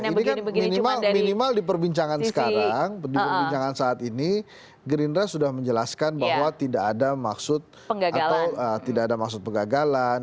nah ini kan minimal di perbincangan sekarang di perbincangan saat ini gerindra sudah menjelaskan bahwa tidak ada maksud pengagalan